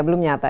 ya belum nyata